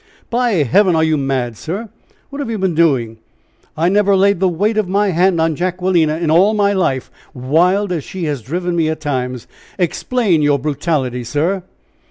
"By heaven! are you mad, sir? What have you been doing? I never laid the weight of my hand on Jacquelina in all my life, wild as she has driven me at times. Explain your brutality, sir."